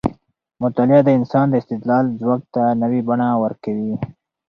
مطالعه د انسان د استدلال ځواک ته نوې بڼه ورکوي.